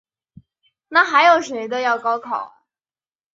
凝和庙和北长街的昭显庙决定兴建的。